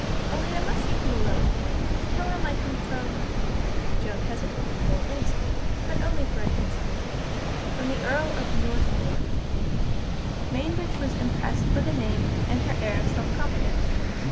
Only I must see him alone. Tell him I come from" Joan hesitated for an instant, but only for an instant "from the Earl of Northmuir." Mainbridge was impressed by the name and her air of self confidence.